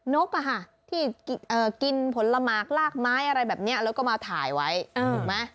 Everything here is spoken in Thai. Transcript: นกที่กินผลหมากลากไม้อะไรแบบนี้แล้วก็มาถ่ายไว้ถูกไหม